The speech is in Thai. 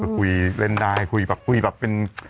คุยเล่นได้คุยแบบเป็น